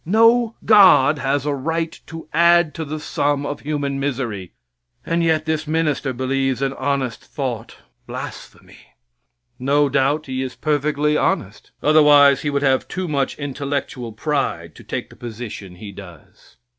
No God has a right to add to the sum of human misery. And yet this minister believes an honest thought blasphemy. No doubt he is perfectly honest. Otherwise he would have too much intellectual pride to take the position he does.